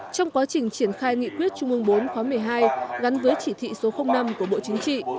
trong quá trình triển khai nghị quyết trung ương bốn khóa một mươi hai gắn với chỉ thị số năm của bộ chính trị